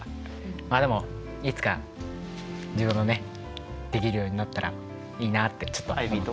まあでもいつか自分もねできるようになったらいいなあってちょっとアイビーと。